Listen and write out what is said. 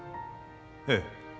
ええ